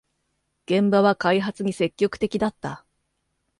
現場は開発に積極的だった